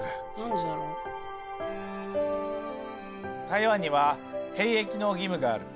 台湾には兵役の義務がある。